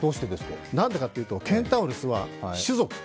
何でかというと、ケンタウロスは種族。